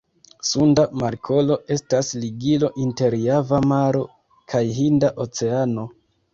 Sunda Markolo estas ligilo inter Java Maro kaj Hinda Oceano.